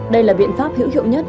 đây là biện pháp hữu hiệu nhất